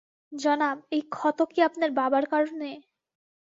জনাব, এই ক্ষত কি আপনার বাবার কারণে?